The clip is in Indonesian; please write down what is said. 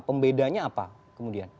pembedanya apa kemudian